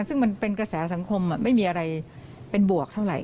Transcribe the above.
ซึ่งมันเป็นกระแสสังคมไม่มีอะไรเป็นบวกเท่าไหร